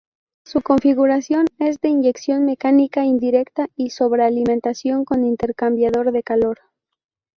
Su configuración es de inyección mecánica indirecta y sobrealimentación con intercambiador de calor.